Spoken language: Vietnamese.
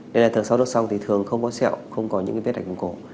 nên là thường sau đốt xong thì thường không có sẹo không có những cái vết ảnh vùng cổ